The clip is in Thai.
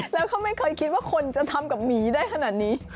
แล้วเขาไม่เคยคิดว่าคนจะทำกับหมีได้ขนาดนี้